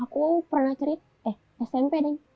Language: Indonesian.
aku pernah cerita eh smp deh